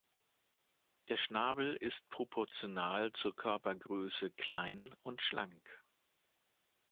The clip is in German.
Der Schnabel ist proportional zur Körpergröße klein und schlank.